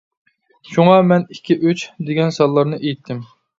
شۇڭا مەن «ئىككى» ، «ئۈچ» دېگەن سانلارنى ئېيتتىم.